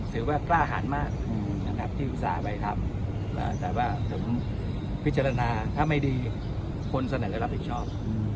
ถือว่ากล้าอาหารมากที่อุตส่าห์ไปทำแต่ว่าถึงพิจารณาถ้าไม่ดีคนเสนอก็รับอีกชอบ